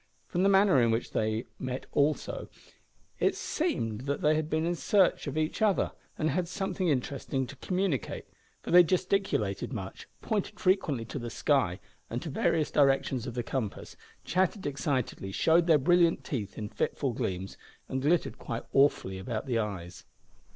From the manner in which they met also, it seemed that they had been in search of each other, and had something interesting to communicate, for they gesticulated much, pointed frequently to the sky, and to various directions of the compass, chattered excitedly, showed their brilliant teeth in fitful gleams, and glittered quite awfully about the eyes.